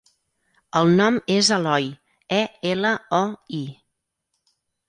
El nom és Eloi: e, ela, o, i.